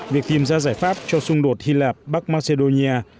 việc tìm ra giải pháp cho xung đột hy lạp bắc macedonia